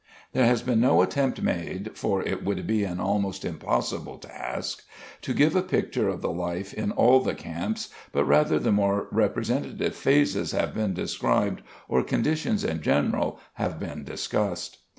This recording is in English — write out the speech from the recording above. There has been no attempt made, for it would be an almost impossible task, to give a picture of the life in all the camps but rather the more representative phases have been described or conditions in general have been discussed.